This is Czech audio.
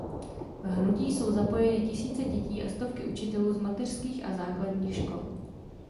V hnutí jsou zapojeny tisíce dětí a stovky učitelů z mateřských a základních škol.